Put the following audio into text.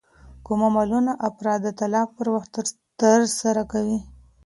کوم عملونه افراد د طلاق پر وخت ترسره کوي؟